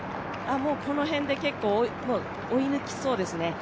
この辺で結構、追い抜きそうですね。